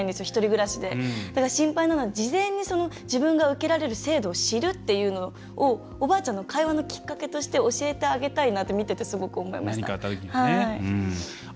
一人暮らしで、だから心配なので事前に自分が受けられる制度を知るっていうのをおばあちゃんの会話のきっかけとして教えてあげたいなと見ててすごく思いました。